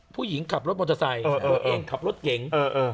ผู้หญิงขับรถมอเตอร์ไซค์ตัวเองขับรถเก๋ง